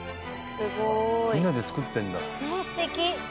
みんなで作ってんだねえ素敵